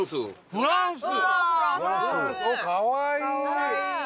フランス。